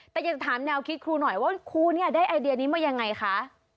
แต่อยากถามแนวคิดครูหน่อยว่าครูเนี่ยได้ไอเดียนี้มายังไงคะ